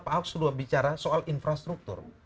pak ahok sudah bicara soal infrastruktur